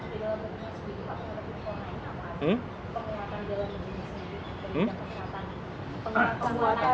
sebelumnya pak terhubung corona ini apa ada penguatan dalam kegiatan